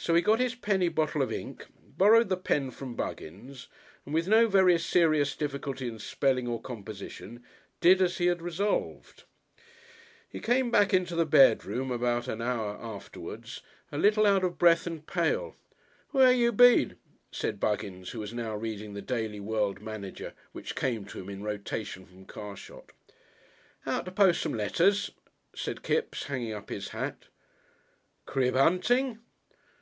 So he got his penny bottle of ink, borrowed the pen from Buggins and with no very serious difficulty in spelling or composition, did as he had resolved. He came back into the bedroom about an hour afterwards a little out of breath and pale. "Where you been?" said Buggins, who was now reading the Daily World Manager, which came to him in rotation from Carshot. "Out to post some letters," said Kipps, hanging up his hat. "Crib hunting?"